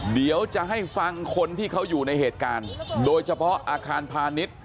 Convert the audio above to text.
เดี๋ยวจะให้ฟังคนที่เขาอยู่ในเหตุการณ์โดยเฉพาะอาคารพาณิชย์